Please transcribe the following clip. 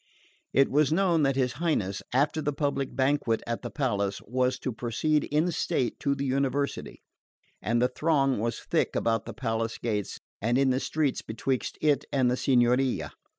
It was known that his Highness, after the public banquet at the palace, was to proceed in state to the University; and the throng was thick about the palace gates and in the streets betwixt it and the Signoria.